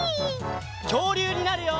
きょうりゅうになるよ！